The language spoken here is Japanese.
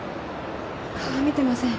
顔は見てません。